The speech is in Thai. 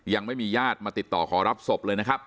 ยังไม่มีญาติมาติดต่อขอรับศพเลยนะครับ